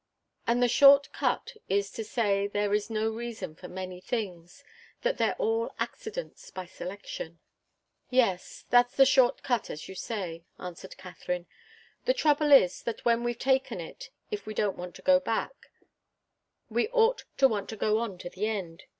"And the short cut is to say there is no reason for things that they're all accidents, by selection." "Yes; that's the short cut, as you say," answered Katharine. "The trouble is that when we've taken it, if we don't want to go back, we ought to want to go on to the end.